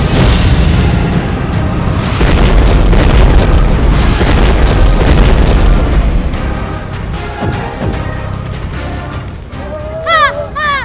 serta untuk menghasilkan